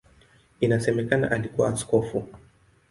Inasemekana alikuwa askofu.